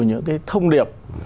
những cái thông điệp